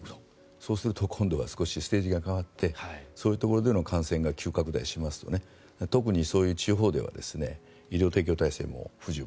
そうすると今度はステージが変わってそういうところでの感染が急拡大しますと特にそういう地方では医療提供体制も不十分。